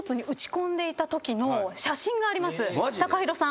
ＴＡＫＡＨＩＲＯさん